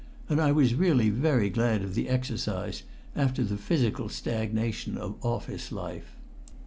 And I was really very glad of the exercise, after the physical stagnation of office life.